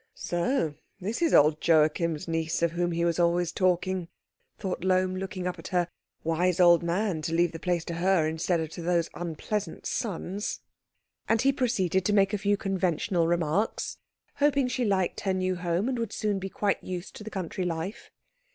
"So this is old Joachim's niece, of whom he was always talking?" thought Lohm, looking up at her. "Wise old man to leave the place to her instead of to those unpleasant sons." And he proceeded to make a few conventional remarks, hoping that she liked her new home and would soon be quite used to the country life.